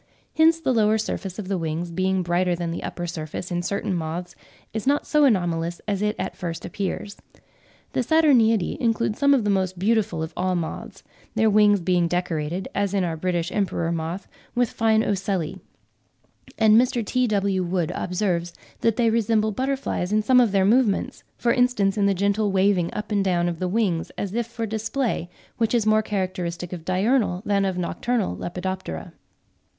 Hence the lower surface of the wings being brighter than the upper surface in certain moths is not so anomalous as it at first appears. The Saturniidae include some of the most beautiful of all moths, their wings being decorated, as in our British Emperor moth, with fine ocelli; and Mr. T.W. Wood (18. 'Proc Ent. Soc. of London,' July 6, 1868, p. xxvii.) observes that they resemble butterflies in some of their movements; "for instance, in the gentle waving up and down of the wings as if for display, which is more characteristic of diurnal than of nocturnal Lepidoptera."